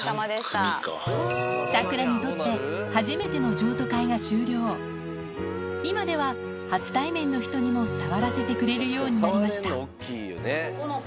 サクラにとって初めての今では初対面の人にも触らせてくれるようになりました